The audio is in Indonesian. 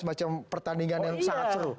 semacam pertandingan yang sangat seru